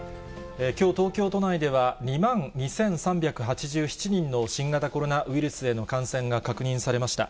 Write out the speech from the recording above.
きょう、東京都内では２万２３８７人の新型コロナウイルスへの感染が確認されました。